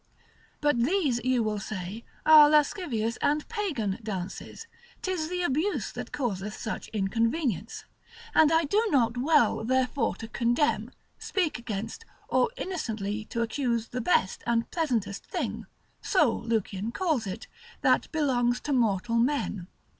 But these, you will say, are lascivious and Pagan dances, 'tis the abuse that causeth such inconvenience, and I do not well therefore to condemn, speak against, or innocently to accuse the best and pleasantest thing (so Lucian calls it) that belongs to mortal men.